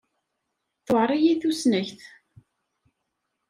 Tuɛer-iyi tusnakt.